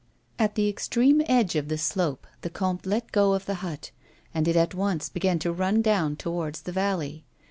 At the extreme edge of the slope, the comte let go of the hut, and it at once begun to run down towards the valley.